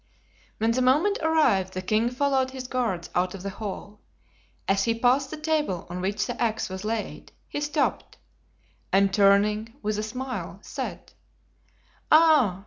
When the moment arrived the king followed his guards out of the hall. As he passed the table on which the axe was laid, he stopped, and turning with a smile, said: "Ah!